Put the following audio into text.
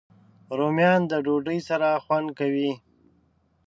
رومیان د ډوډۍ سره خوند کوي